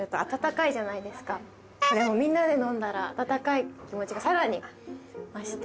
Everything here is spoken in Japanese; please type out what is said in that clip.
これもみんなで飲んだら暖かい気持ちが更に増して。